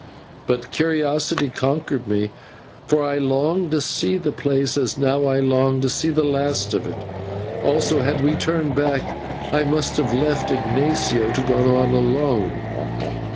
But curiosity conquered me, for I longed to see the place, as now I long to see the last of it; also, had we turned back, I must have left Ignatio to go on alone.